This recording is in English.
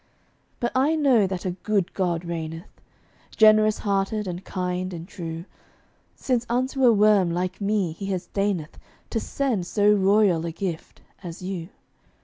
But I know that a good God reigneth, Generous hearted and kind and true; Since unto a worm like me he deigneth To send so royal a gift as you.